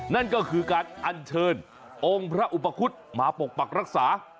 นั่นก็คือการอัญเชิญองค์พระอุปคุฎมาปกปักรักษา